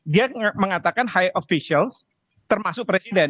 dia mengatakan high officials termasuk presiden